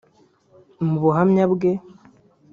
Mu buhamya bwe